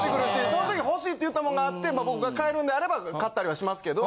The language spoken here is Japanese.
その時欲しいって言ったものがあって僕が買えるんであれば買ったりはしますけど。